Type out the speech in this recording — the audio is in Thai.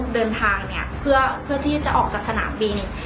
เดินทางเนี่ยเพื่อที่จะออกจากสนามบิน